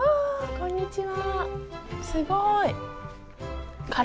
こんにちは。